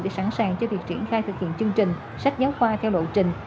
để sẵn sàng cho việc triển khai thực hiện chương trình sách giáo khoa theo lộ trình